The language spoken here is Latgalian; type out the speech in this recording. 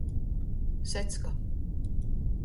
Secka.